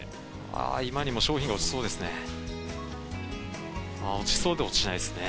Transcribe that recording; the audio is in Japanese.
あー、今にも商品が落ちそうですね。